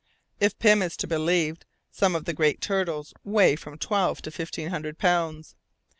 If Pym is to be believed, some of the great turtles weigh from twelve to fifteen hundred pounds.